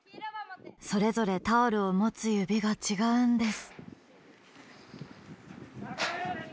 それぞれタオルを持つ指が違うんです。